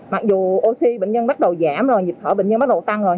mặc dù oxy bệnh nhân bắt đầu giảm rồi nhịp thở bệnh nhân bắt đầu tăng rồi